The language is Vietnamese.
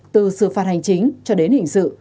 từ sự phạt hành chính cho đến hình sự